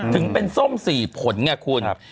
ถึงเป็นส้ม๔ผลไงคุณ